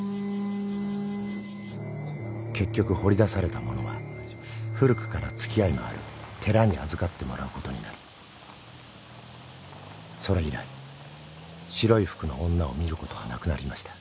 ［結局掘り出されたものは古くから付き合いのある寺に預かってもらうことになりそれ以来白い服の女を見ることはなくなりました］